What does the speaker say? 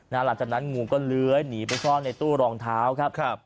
หลังจากนั้นงูก็เลื้อยหนีไปซ่อนในตู้รองเท้าครับ